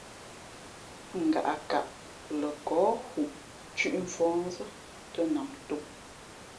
Ngaʼkaʼ lαkάά hu thʉ̄ʼ mfα̌hnzᾱ tᾱ nam tōm.